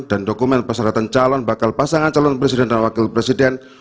dan dokumen persyaratan calon bakal pasangan calon presiden dan wakil presiden